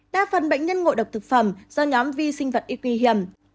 đa phần bệnh nhân ngội độc thực phẩm do nhóm vi sinh vật y quý hiểm